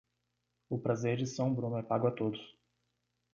O prazer de São Bruno é pago a todos.